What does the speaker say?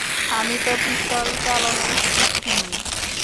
আমি তো পিস্তল চালানোই শিখি নি!